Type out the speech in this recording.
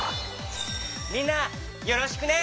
みんなよろしくね！